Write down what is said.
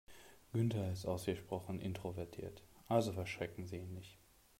Günther ist ausgesprochen introvertiert, also verschrecken Sie ihn nicht.